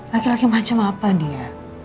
laki laki macam apa dia